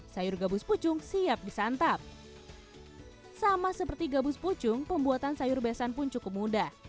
sayur gabus pucung siap disantap sama seperti gabus pucung pembuatan sayur besan pun cukup mudah